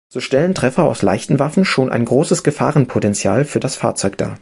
So stellen Treffer aus leichten Waffen schon ein großes Gefahrenpotential für das Fahrzeug dar.